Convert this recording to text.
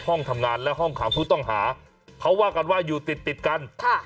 ห้องทำงานและห้องขังผู้ต้องหาเขาว่ากันว่าอยู่ติดติดกันค่ะ